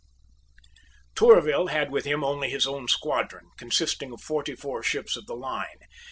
Tourville had with him only his own squadron, consisting of forty four ships of the line.